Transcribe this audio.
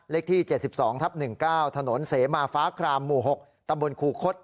เลขที่เจ็ดสิบสองทับหนึ่งเก้าถนนเสมาฟ้าคลามหมู่หกตำบลครูคด